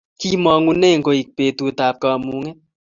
kimangune koek betut ab kamunget